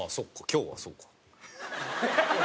今日はそっか。